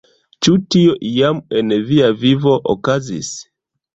Ĉu tio, iam en via vivo, okazis?